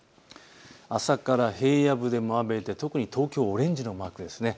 朝から平野部でも雨で特に東京、オレンジのマークですね。